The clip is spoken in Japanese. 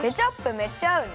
めっちゃあうね！